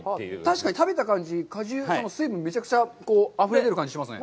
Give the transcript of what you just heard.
確かに、食べた感じ、果汁、水分、めちゃくちゃあふれ出る感じがしますね。